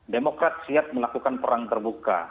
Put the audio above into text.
demokrat siap melakukan perang terbuka